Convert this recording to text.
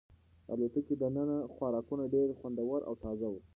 د الوتکې دننه خوراکونه ډېر خوندور او تازه وو.